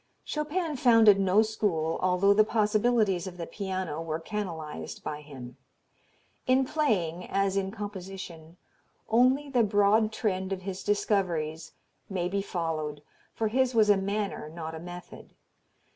Chopin founded no school, although the possibilities of the piano were canalized by him. In playing, as in composition, only the broad trend of his discoveries may be followed, for his was a manner not a method.